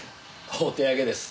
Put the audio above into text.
お手上げです。